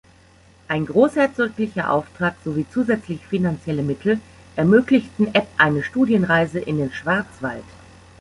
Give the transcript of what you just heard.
Ein großherzoglicher Auftrag sowie zusätzliche finanzielle Mittel ermöglichten Epp eine Studienreise in den Schwarzwald.